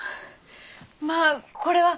まあこれは！